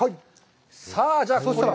さあじゃあこれを？